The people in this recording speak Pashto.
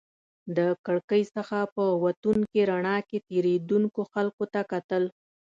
د کړکۍ څخه په وتونکې رڼا کې تېرېدونکو خلکو ته کتل.